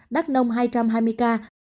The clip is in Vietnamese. đắk nông hai hai mươi ca